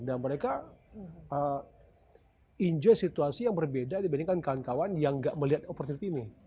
dan mereka enjoy situasi yang berbeda dibandingkan kawan kawan yang gak melihat opportunity ini